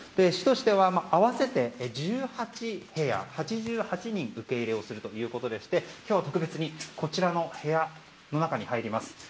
市としては合わせて１８部屋、８８人受け入れをするということでして今日は特別にこちらの部屋の中に入ります。